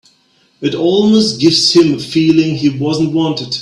It almost gives him a feeling he wasn't wanted.